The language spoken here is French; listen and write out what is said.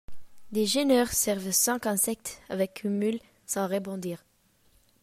Des gêneurs servent cinq insectes avec une mule sans rebondir.